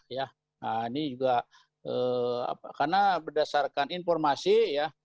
nah ini juga karena berdasarkan informasi ya